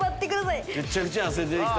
めっちゃくちゃ汗出てきた。